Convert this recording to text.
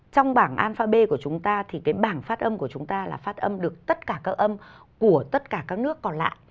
trong bảng al fabe của chúng ta thì cái bảng phát âm của chúng ta là phát âm được tất cả các âm của tất cả các nước còn lại